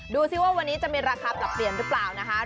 ดูสิว่าวันนี้จะมีราคาปรับเปลี่ยนหรือเปล่านะคะ